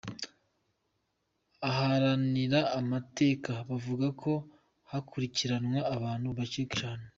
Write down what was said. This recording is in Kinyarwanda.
Abaharanira amateka bavuga ko hakurikiranwa abantu bake cane.